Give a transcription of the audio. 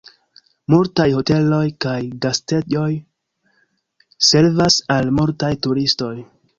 Multaj hoteloj kaj gastejoj servas al multaj turistoj.